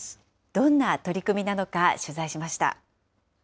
どんな取り組みなのか、取材しました。